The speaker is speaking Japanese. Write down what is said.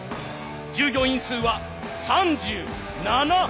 従業員数は３７万人。